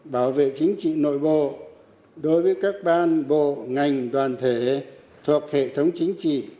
bảo vệ chính trị nội bộ đối với các ban bộ ngành đoàn thể thuộc hệ thống chính trị